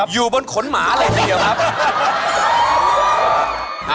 อยู่บนขนหมาอะไรดีหรือครับ